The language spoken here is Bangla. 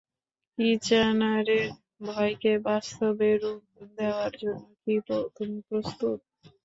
কিচ্যানারের ভয়কে বাস্তবে রূপ দেওয়ার জন্য কি তুমি প্রস্তুত?